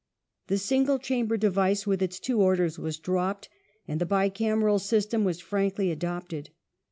The sinole chamber Home device with its two "Orders" was dropped, and the bicameral ^'^^^'^^^^ system was frankly adopted.